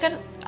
seru apa sih